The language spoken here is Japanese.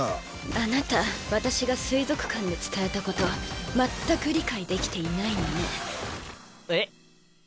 あなた私が水族館で伝えたこと全く理解できていないのねえっ？